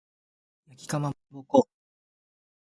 焼きかまぼこ